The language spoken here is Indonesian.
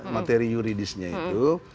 materi yuridisnya itu